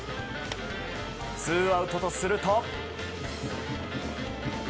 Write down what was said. ツーアウトとすると。